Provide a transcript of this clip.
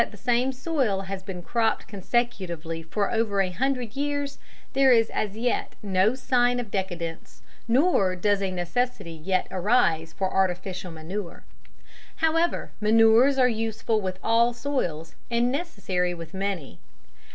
In Guayaquil, "notwithstanding the fact that the same soil has been cropped consecutively for over a hundred years, there is as yet no sign of decadence, nor does a necessity yet arise for artificial manure." However, manures are useful with all soils, and necessary with many.